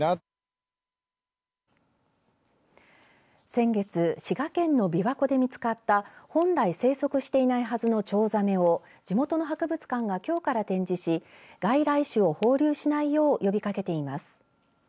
先月、滋賀県のびわ湖で見つかった本来生息していないはずのチョウザメを地元の博物館がきょうから展示し外来種を放流しないよう呼びかけています。